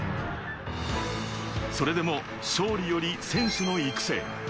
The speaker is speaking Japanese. それでも勝利より選手の育成。